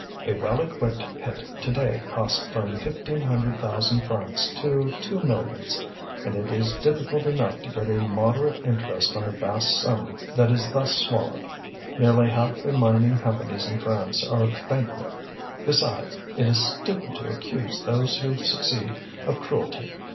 A well equipped pit today costs from fifteen hundred thousand francs to two millions; and it is difficult enough to get a moderate interest on the vast sum that is thus swallowed. Nearly half the mining companies in France are bankrupt. Besides, it is stupid to accuse those who succeed of cruelty.